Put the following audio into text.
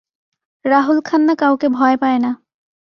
রাহুল খান্না কাউকে ভয় পায় না।